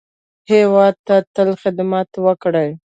هېواد ته تل خدمت وکړئ